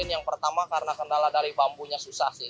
yang pertama karena kendala dari bambunya susah sih